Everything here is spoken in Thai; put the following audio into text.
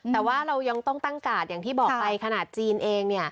แต่ว่าเรายังต้องตั้งกาดอย่างที่บอกไปขนาดจีนเอง